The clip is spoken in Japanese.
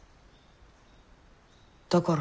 だから。